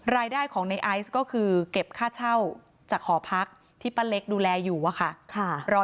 รายได้ของในไอซ์ก็คือเก็บค่าเช่าจากหอพักที่ป้าเล็กดูแลอยู่อะค่ะ